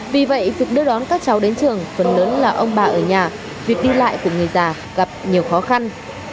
vì vậy việc đưa đón các cháu đến trường phần lớn là ông bà ở nhà việc đi lại của người già gặp nhiều khó khăn